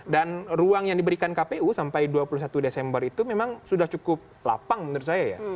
dan ruang yang diberikan kpu sampai dua puluh satu desember itu memang sudah cukup lapang menurut saya ya